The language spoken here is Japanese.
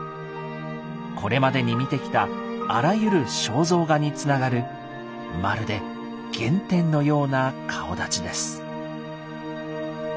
これまでに見てきたあらゆる肖像画につながるまるで原点のような顔だちです。